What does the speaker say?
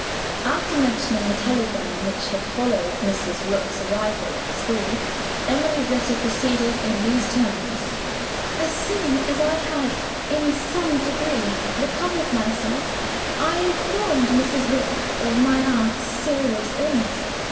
After mentioning the telegram which had followed Mrs. Rook's arrival at the school, Emily's letter proceeded in these terms: "As soon as I had in some degree recovered myself, I informed Mrs. Rook of my aunt's serious illness.